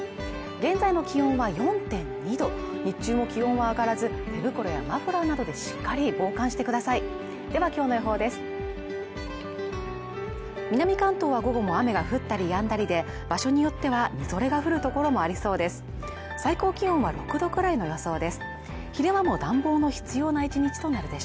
現在の気温は４．２度日中も気温は上がらず手袋やマフラーなどでしっかり防寒してくださいではきょうの予報です